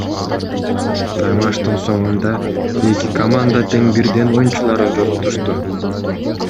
Таймаштын соңунда эки команда тең бирден оюнчуларын жоготушту.